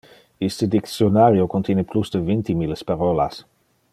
Iste dictionario contine non plus de vinti milles parolas.